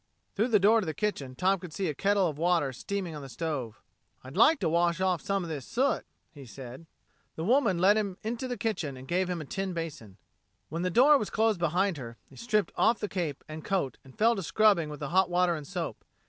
Through the door to the kitchen Tom could see a kettle of water steaming on the stove. "I'd like to wash some of this soot off," he said. The woman led him to the kitchen and gave him a tin basin. "When the door was closed behind her, he stripped off the cape and coat, and fell to scrubbing with the hot water and soap.